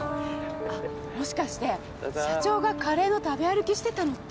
あっもしかして社長がカレーの食べ歩きしてたのって。